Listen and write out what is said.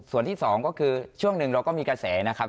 ส่วนที่๒ก็คือช่วงหนึ่งเราก็มีกระแสนะครับ